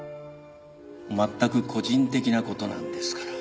全く個人的な事なんですから。